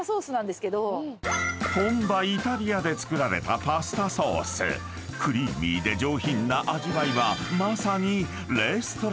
［本場イタリアで作られたパスタソース］［クリーミーで上品な味わいはまさに］